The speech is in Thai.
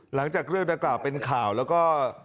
หลังจากเรื่องดังกล่าวเป็นข่าวแล้วก็